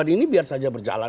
ini biar saja berjalan